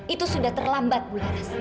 itu sudah terlambat bularas